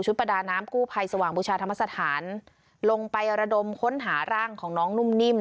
ประดาน้ำกู้ภัยสว่างบูชาธรรมสถานลงไประดมค้นหาร่างของน้องนุ่มนิ่ม